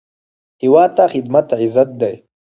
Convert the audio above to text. هیواد ته خدمت عزت دی